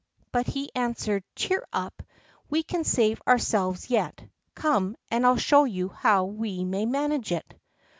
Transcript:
But he answered: "Cheer up; we can save ourselves yet. Come, and I'll show you how we may manage it."